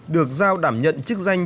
được giao đảm nhận chức danh